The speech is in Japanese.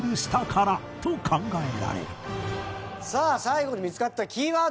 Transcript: さあ最後に見つかったキーワード